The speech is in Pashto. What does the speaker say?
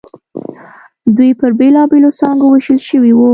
دوی پر بېلابېلو څانګو وېشل شوي وو.